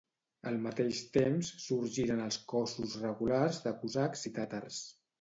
Al mateix temps, sorgiren els cossos regulars de cosacs i tàtars.